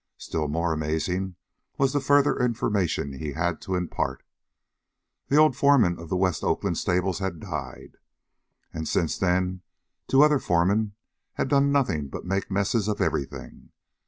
Still more amazing was the further information he had to impart. The old foreman of the West Oakland stables had died, and since then two other foremen had done nothing but make messes of everything.